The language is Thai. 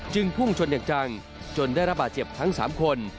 พุ่งชนอย่างจังจนได้รับบาดเจ็บทั้ง๓คน